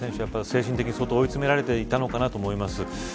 精神的に追い詰められていたのかなと思います。